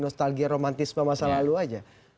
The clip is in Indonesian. atau ini hanya romantisme masa lalu aja